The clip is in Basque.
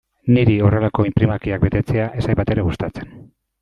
Niri horrelako inprimakiak betetzea ez zait batere gustatzen.